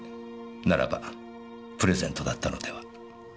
ならばプレゼントだったのでは？